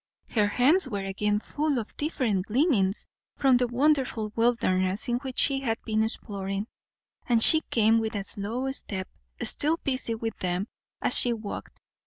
Her hands were again full of different gleanings from the wonderful wilderness in which she had been exploring; and she came with a slow step, still busy with them as she walked.